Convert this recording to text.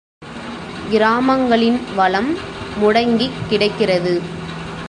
கிராமங்களின் வளம் முடங்கிக் கிடக்கிறது.